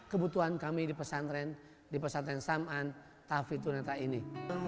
kebutuhan kami di pesantren saman tahfiz tunanetra ini